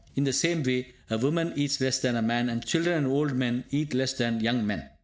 In the same way, a woman eats less than a man, and children and old men eat less than young men.